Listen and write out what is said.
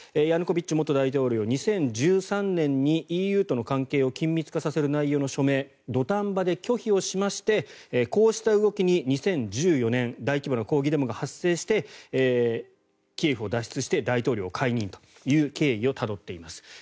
ヤヌコビッチ元大統領２０１３年にＥＵとの関係を緊密化させる内容の署名を土壇場で拒否をしましてこうした動きに２０１４年大規模な抗議デモが発生してキエフを脱出して大統領を解任という経緯をたどっています。